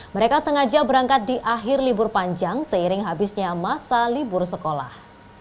mereka sengaja berangkat di akhir libur panjang seiring habisnya masa libur sekolah